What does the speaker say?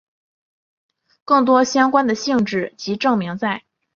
更多相关的性质及证明在。